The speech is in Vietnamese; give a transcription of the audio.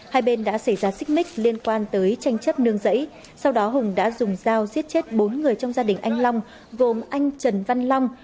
hai bên đã xảy ra xích mích liên quan tới tranh chấp nương rẫy sau đó hùng đã dùng dao giết chết bốn người trong gia đình anh long gồm anh trần văn long